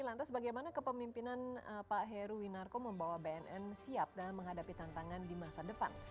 lantas bagaimana kepemimpinan pak heruwinarko membawa bnn siap dalam menghadapi tantangan di masa depan